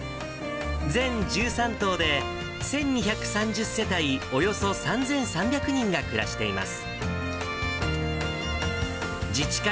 全１３棟で、１２３０世帯、およそ３３００人が暮らしています。